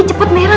ini cepet merah